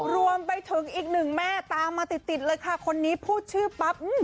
รวมไปถึงอีกหนึ่งแม่ตามมาติดติดเลยค่ะคนนี้พูดชื่อปั๊บ